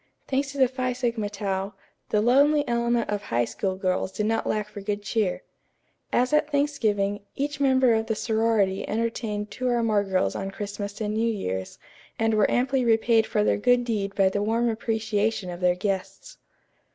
Thanks to the Phi Sigma Tau, the lonely element of High School girls did not lack for good cheer. As at Thanksgiving, each member of the sorority entertained two or more girls on Christmas and New Year's, and were amply repaid for their good deed by the warm appreciation of their guests.